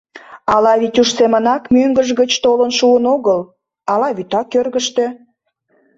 Ала Витюш семынак мӧҥгыж гыч толын шуын огыл, ала вӱта кӧргыштӧ.